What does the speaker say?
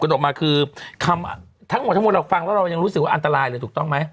ออกมาคือคำทั้งหมดทั้งหมดเราฟังแล้วเรายังรู้สึกว่าอันตรายเลยถูกต้องไหม